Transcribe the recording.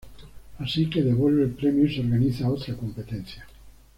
Así que devuelve el premio y se organiza otra competencia.